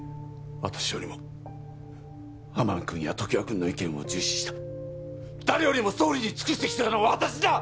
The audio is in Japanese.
私よりも天海君や常盤君の意見を重視した誰よりも総理に尽くしてきたのは私だ！